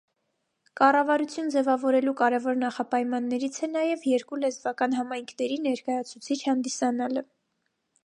Կառավարություն ձևավորելու կարևոր նախապայմաններից է նաև երկու լեզվական համայնքների ներկայացուցիչ հանդիսանալը։